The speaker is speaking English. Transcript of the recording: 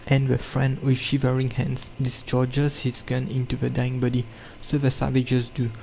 And the friend, with shivering hands, discharges his gun into the dying body. So the savages do.